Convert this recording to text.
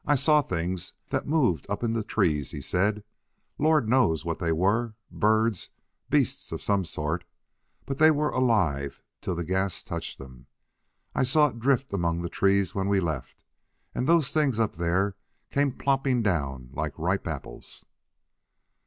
"I saw things that moved up in the trees," he said. "Lord knows what they were; Birds beasts of some sort! But they were alive till the gas touched them. I saw it drift among the trees when we left, and those things up there came plopping down like ripe apples."